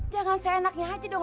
jangan seenaknya hati dong